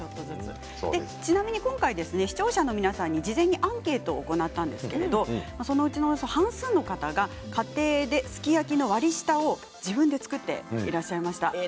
でちなみに今回ですね視聴者の皆さんに事前にアンケートを行ったんですけれどそのうちのおよそ半数の方が家庭ですき焼きの割り下を自分で作っていらっしゃいました。